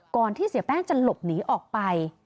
ที่เสียแป้งจะหลบหนีออกไป